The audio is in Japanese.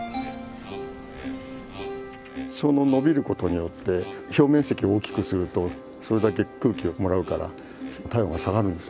その伸びることによって表面積を大きくするとそれだけ空気をもらうから体温が下がるんですよね。